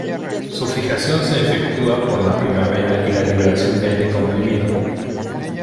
Su fijación se efectúa por la primavera y la liberación de aire comprimido.